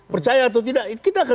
percaya atau tidak